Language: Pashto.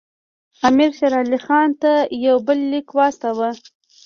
امیر شېر علي خان ته یو بل لیک واستاوه.